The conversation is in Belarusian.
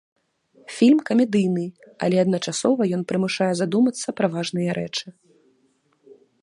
Фільм камедыйны, але адначасова ён прымушае задумацца пра важныя рэчы.